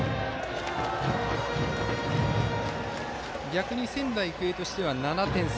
逆に、仙台育英としては７点差。